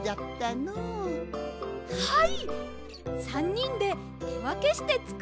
はい！